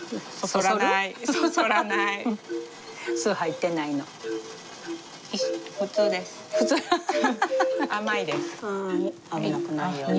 危なくないように。